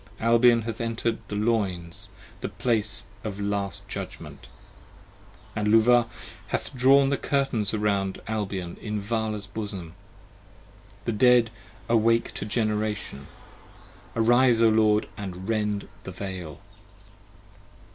Albion hath enter 'd the Loins, the place of the Last Judgment: And Luvah hath drawn the Curtains around Albion in Vala's bosom. 40 The Dead awake to Generation! Arise O Lord, & rend the Veil!